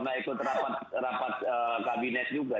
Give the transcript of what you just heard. dan tidak pernah ikut rapat kabinet juga